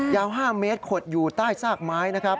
๕เมตรขดอยู่ใต้ซากไม้นะครับ